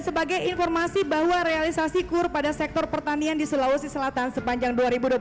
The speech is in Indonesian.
dan sebagai informasi bahwa realisasi kur pada sektor pertanian di sulawesi selatan sepanjang dua ribu dua puluh dua